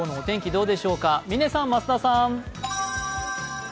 どうでしょうか嶺さん、増田さん。